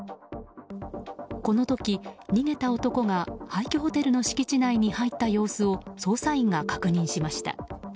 この時、逃げた男が廃虚ホテルの敷地内に入った様子を捜査員が確認しました。